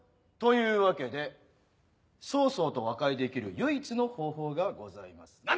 というわけで曹操と和解できる唯一の方法がございます。